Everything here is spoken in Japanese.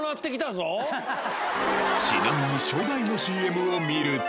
ちなみに初代のＣＭを見ると。